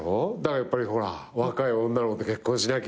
やっぱりほら若い女の子と結婚しなきゃ。